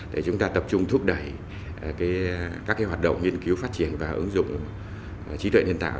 để chúng ta tập trung thúc đẩy các hoạt động nghiên cứu phát triển và ứng dụng trí tuệ nhân tạo